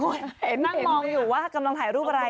นั่งมองอยู่ว่ากำลังถ่ายรูปอะไร